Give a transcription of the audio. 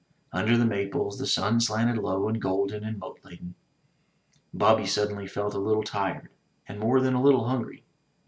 Under the maples the sun slanted low and golden and mote laden. Bobby suddenly felt a little tired, and more than a little hungry.